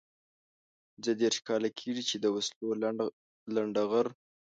پنځه دېرش کاله کېږي چې د وسلو لنډه غر.